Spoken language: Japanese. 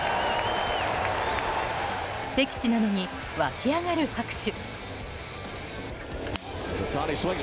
敵地なのに湧き上がる拍手。